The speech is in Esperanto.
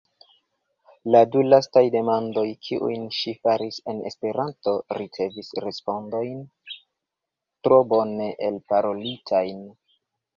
La du lastaj demandoj, kiujn ŝi faris en Esperanto, ricevis respondojn tro bone elparolitajn.